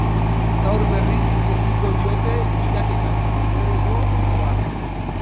Gaur berriz ekingo diote bilaketari, lehenengo orduan.